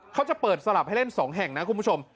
เขาจะเปิดสลับให้เล่น๒แห่งนะคุณผู้ชม